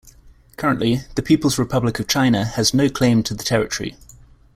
Currently, the People's Republic of China has no claim to the territory.